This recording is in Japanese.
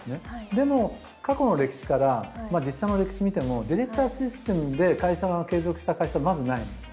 でも過去の歴史から実写の歴史見てもディレクターシステムで会社が継続した会社はまずない。